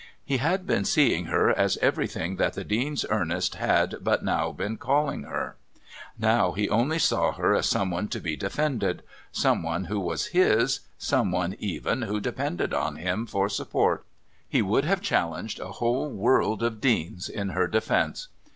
He had been seeing her as everything that the Dean's Ernest had but now been calling her. Now he only saw her as someone to be defended, someone who was his, someone even who depended on him for support. He would have challenged a whole world of Deans in her defence.